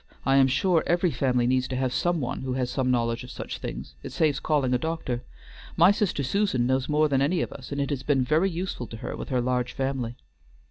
I am sure every family needs to have some one who has some knowledge of such things; it saves calling a doctor. My sister Susan knows more than any of us, and it has been very useful to her with her large family."